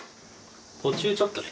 途中ちょっとね。